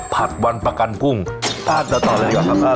ผัดวันประกันพุ่งต่อเลยก่อน